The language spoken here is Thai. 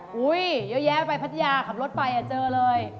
เยอะแยะไปพัทยาขับรถไปเจอเลย